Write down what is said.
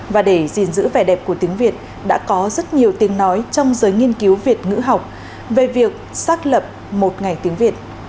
và để gìn giữ vẻ đẹp của tiếng việt đã có rất nhiều tiếng nói trong giới nghiên cứu việt ngữ học về việc xác lập một ngày tiếng việt